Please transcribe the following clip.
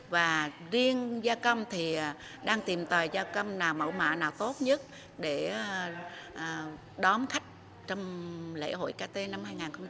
và riêng gia cơm thì đang tìm tòi gia cơm nào mẫu mạ nào tốt nhất để đón khách trong lễ hội kt năm hai nghìn một mươi sáu